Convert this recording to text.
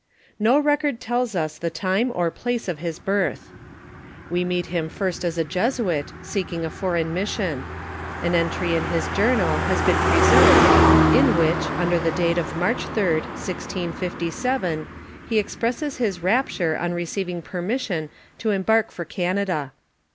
No record tells \a the time or place of his birtL We meet him first as a Jesuit, seeking a foreign mis sion. An entry in his journal has been preserved, in which, under the date of March 8d, 1667, he expresses his rapture on receiving permission to embark for Canada.